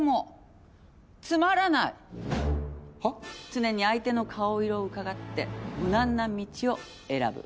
常に相手の顔色をうかがって無難な道を選ぶ。